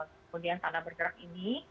kemudian tanah bergerak ini